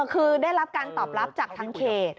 คือได้รับการตอบรับจากทางเขต